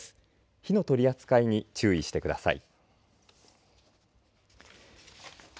火の取り扱いに注意してください。